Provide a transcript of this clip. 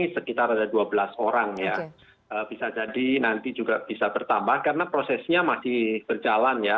sekitar ada dua belas orang ya bisa jadi nanti juga bisa bertambah karena prosesnya masih berjalan ya